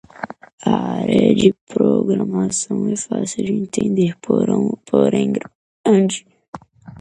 A área da programação é fácil de entender, porém grande.